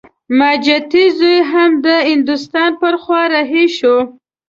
ماجتي زوی هم د هندوستان پر خوا رهي شو.